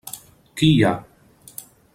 Qui hi ha?